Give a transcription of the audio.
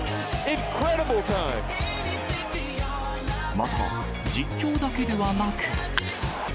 また実況だけではなく。